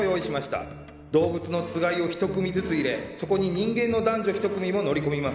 動物のつがいを１組ずつ入れそこに人間の男女１組も乗り込みます。